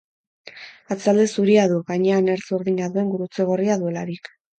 Atzealde zuria du, gainean ertz urdina duen gurutze gorria duelarik.